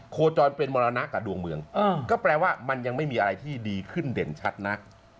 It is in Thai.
โคจรเป็นมรณะกับดวงเมืองก็แปลว่ามันยังไม่มีอะไรที่ดีขึ้นเด่นชัดนัก